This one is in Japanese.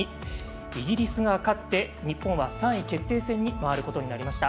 イギリスが勝って日本は３位決定戦に回ることになりました。